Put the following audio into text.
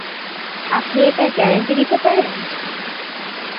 আপনি এটা গ্যারান্টি দিতে পারেন?